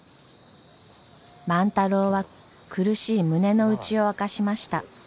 万太郎は苦しい胸の内を明かしました。